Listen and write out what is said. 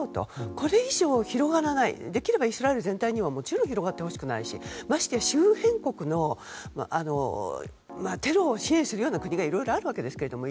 これ以上広がらないできればイスラエル全体にはもちろん広がってほしくないしましてや、周辺国のテロを支援するような国がいろいろあるわけですけれども。